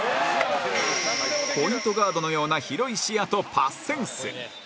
ポイントガードのような広い視野とパスセンス